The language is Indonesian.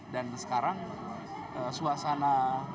dan sekarang suasana